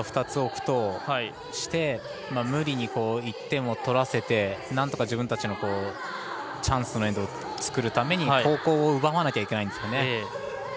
２つ置くとして無理に１点を取らせてなんとか自分たちのチャンスのエンドを作るために後攻を奪わなきゃいけないんですよね。